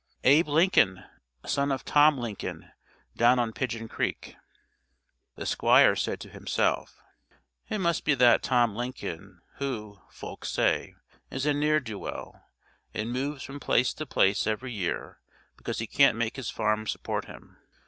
"Abe Lincoln, son of Tom Lincoln, down on Pidgeon Creek." The Squire said to himself: "It must be that Tom Lincoln, who, folks say, is a ne'er do well and moves from place to place every year because he can't make his farm support him."